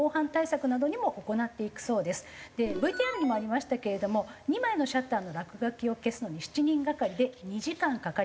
ＶＴＲにもありましたけれども２枚のシャッターの落書きを消すのに７人がかりで２時間かかりました。